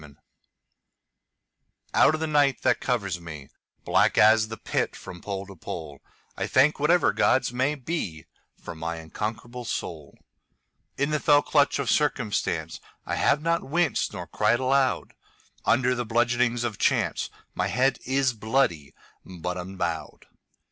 Invictus OUT of the night that covers me, Black as the Pit from pole to pole,I thank whatever gods may beFor my unconquerable soul.In the fell clutch of circumstanceI have not winced nor cried aloud. Under the bludgeonings of chanceMy head is bloody, but unbowed.